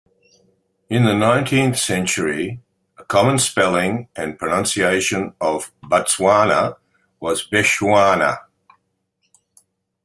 In the nineteenth century, a common spelling and pronunciation of "Batswana" was Bechuana.